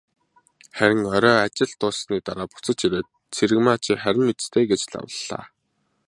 Харин орой ажил дууссаны дараа буцаж ирээд, "Цэрэгмаа чи харина биз дээ" гэж лавлалаа.